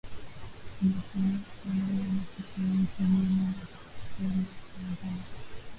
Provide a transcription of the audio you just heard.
imetimia saa mbili na nusu kericho gulu na kule songea